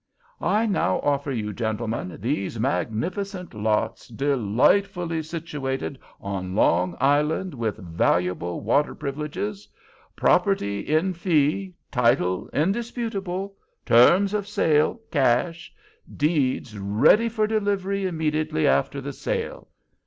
"I now offer you, gentlemen, these magnificent lots, delightfully situated on Long Island, with valuable water privileges. Property in fee—title indisputable—terms of sale, cash—deeds ready for delivery immediately after the sale.